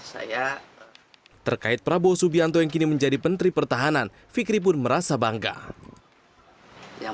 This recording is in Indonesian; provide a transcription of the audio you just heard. saya terkait prabowo subianto yang kini menjadi menteri pertahanan fikri pun merasa bangga yang